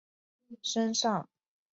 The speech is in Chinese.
与可汗一样用在统治者身上。